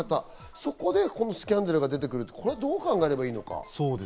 そこでこのスキャンダルが出てくるっていうのはどう考えればいいのか？